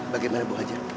bagaimana bu hajar